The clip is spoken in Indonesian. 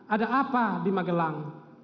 ada apa di magelang